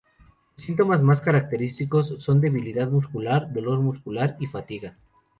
Los síntomas más característicos son debilidad muscular, dolor muscular, y fatiga.